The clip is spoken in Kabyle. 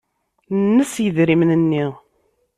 Nnes yidrimen-nni.